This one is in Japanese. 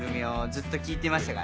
ずっと聴いてましたよ。